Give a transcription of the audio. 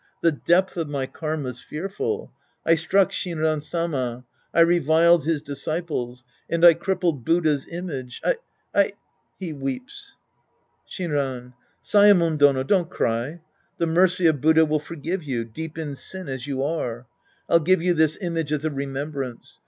The depth of my karma's fearful. I struck Shinran Sama. I reviled his disciples. And I crippled Buddha's image. I — I— {Weeps.) Shinran. Saemon Dono, don't cry. The mercy of Buddha will forgive you, deep in sin as you are. I'll give you this image as a remembrance.